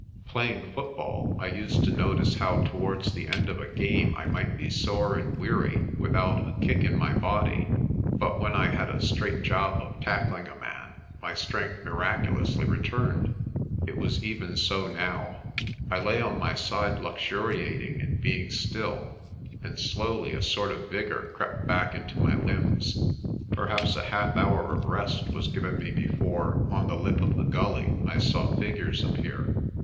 Playing football, I used to notice how towards the end of a game I might be sore and weary, without a kick in 182 PRESTER JOHN my body j but when I had a straight job of tackling a man my strength miraculously returned. It was even so now. I lay on my side luxuriating in being still, and slowly a sort of vigour crept back into my limbs. Perhaps a half hour of rest was given me before, on the lip of the gully, I saw figures appear.